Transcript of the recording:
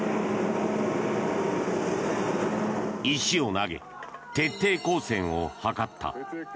石を投げ徹底抗戦を図った。